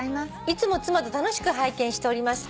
「いつも妻と楽しく拝見しております」